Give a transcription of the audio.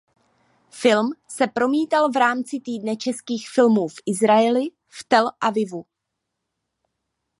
Film se promítal v rámci Týdne českých filmů v Izraeli v Tel Avivu.